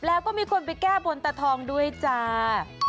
แล้วก็มีคนไปแก้บนตะทองด้วยจ้า